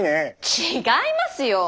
違いますよォ。